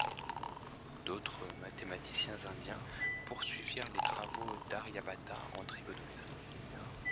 D'autres mathématiciens indiens poursuivirent les travaux d'Aryabhata en trigonométrie.